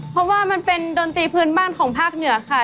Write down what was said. เพราะว่ามันเป็นดนตรีพื้นบ้านของภาคเหนือค่ะ